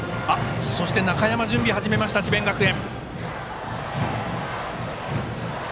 そして中山準備を始めました、智弁学園。